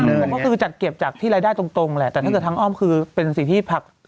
ก็คือจัดเก็บจากที่รายได้ตรงแหละแต่ถ้าเกิดทางอ้อมคือเป็นสิ่งที่ผัก